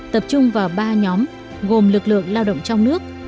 tập trung vào ba nhóm gồm lực lượng lao động trong nước